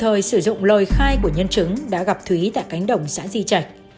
thêm hai mươi bốn giờ đấu tranh đồng thời sử dụng lời khai của nhân chứng đã gặp thúy tại cánh đồng xã di trạch